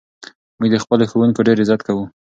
موږ د خپلو ښوونکو ډېر عزت کوو.